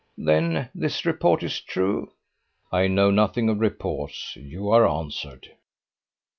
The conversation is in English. "Then this report is true?" "I know nothing of reports. You are answered."